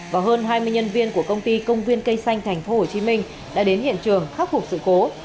và hơn hai mươi nhân viên của công ty công viên cây xanh tp hcm đã đến hiện trường khắc phục sự cố